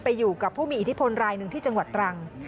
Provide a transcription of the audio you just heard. อยู่กับผู้มีอิทธิพลรายหนึ่งที่จังหวัดตรัง